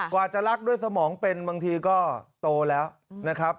กว่าจะรักด้วยสมองเป็นบางทีก็โตแล้วนะครับ